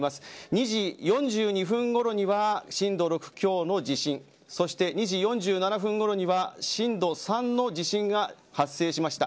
２時４２分ごろには震度６強の地震そして２時４７分ごろには震度３の地震が発生しました。